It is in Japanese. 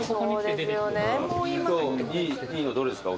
いいのどれですか？